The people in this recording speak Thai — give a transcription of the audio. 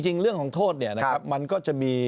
จริงเรื่องของโทษมันก็จะมี